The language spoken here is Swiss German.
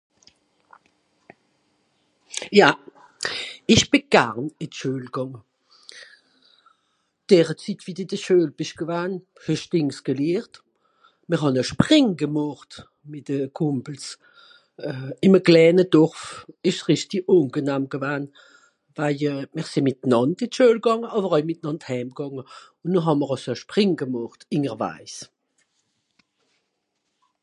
Ja, ìch bì garn ì d'Schüel gànge. Dere Zitt, wie de d'Schüel bìsch gewann, hesch dìngs gelehert, mìr hàn e Sprìng gemàcht mìt de Kùmpels. Ìm e klèène Dorf ìsch's rìchti àngenehm gewann. Waje mìr sìn mìtnànd ì d'Schüel gànge, àwer oei mìtnànd hääm gànge , ùn noh hà mr àls e Sprìng gemàcht (...).